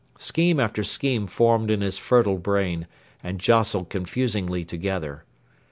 Scheme after scheme formed in his fertile brain, and jostled confusingly together.